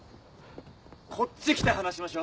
こっち来て話しましょう。